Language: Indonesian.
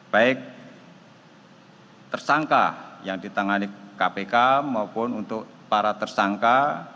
baik tersangka yang ditangani kpk maupun untuk para tersangka